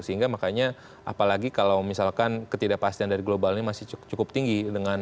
sehingga makanya apalagi kalau misalkan ketidakpastian dari global ini masih cukup tinggi